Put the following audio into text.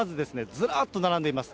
ずらっと並んでいます。